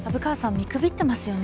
見くびってますよね？